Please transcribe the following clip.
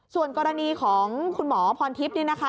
ส่วนกรณีของคุณหมอพรทิพย์นี่นะคะ